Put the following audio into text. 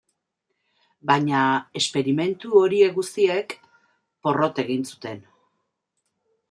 Baina esperimentu horiek guztiek porrot egin zuten.